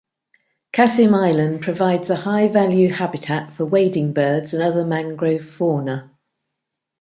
Cassim Island provides a high value habitat for wading birds and other mangrove fauna.